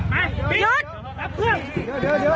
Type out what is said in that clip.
พี่ขับไปเลย